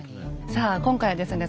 さあ今回はですね